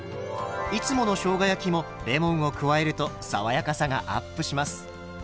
いつものしょうが焼きもレモンを加えると爽やかさがアップします。